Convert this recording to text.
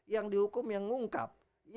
yang dihukum yang ngungkap